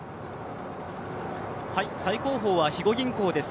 最後方は肥後銀行です。